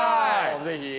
ぜひ。